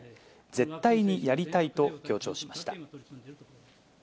絶対にやりたいと強調しました。